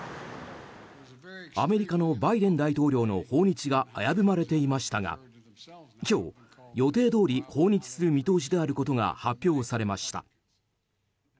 アメリカのバイデン大統領の訪日が危ぶまれていましたが今日、予定どおり訪日する見通しであることが発表されました。